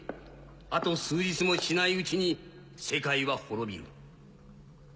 あと数日もしないうちに世界は滅びる。